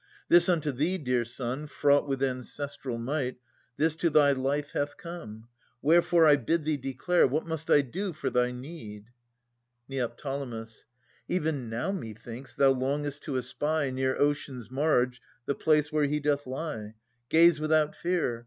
This unto thee, dear son. Fraught with ancestral might, This to thy life hath come. Wherefore I bid thee declare, What must I do for thy need ? Neo. Even now methinks thou longest to espy Near ocean's marge the place where he doth lie. Gaze without fear.